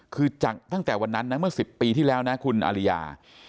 คือตั้งแต่วันนั้นนะเมื่อ๑๐ปีที่แล้วนะคุณอริยา